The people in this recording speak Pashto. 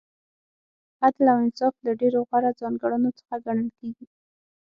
عدل او انصاف له ډېرو غوره ځانګړنو څخه ګڼل کیږي.